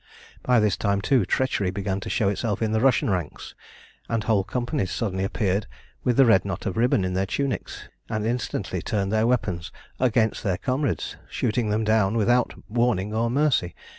By this time, too, treachery began to show itself in the Russian ranks, and whole companies suddenly appeared with the red knot of ribbon in their tunics, and instantly turned their weapons against their comrades, shooting them down without warning or mercy.